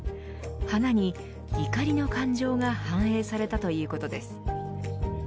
花に怒りの感情が反映されたということです。